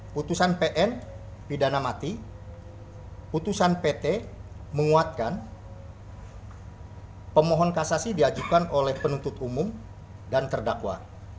putusan pn pidana mati putusan pt menguatkan pemohon kasasi diajukan oleh penuntut umum dan terdakwa